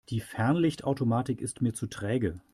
Die Fernlichtautomatik ist mir zu träge.